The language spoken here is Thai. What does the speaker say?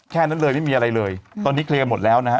แค่นั้นเลยไม่มีอะไรเลยตอนนี้เคลียร์หมดแล้วนะฮะ